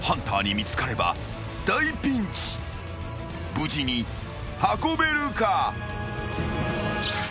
［無事に運べるか？］